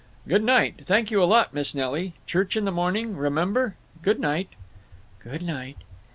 "Good night. Thank you a lot, Miss Nelly. Church in the morning, remember! Good night." "Good night."